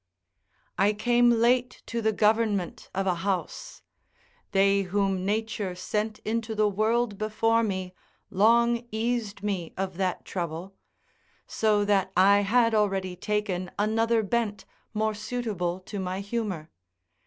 I came late to the government of a house: they whom nature sent into the world before me long eased me of that trouble; so that I had already taken another bent more suitable to my humour.